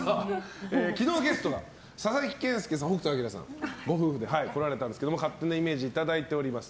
昨日のゲストが佐々木健介さん、北斗晶さんご夫婦で来られたんですが勝手なイメージいただいております。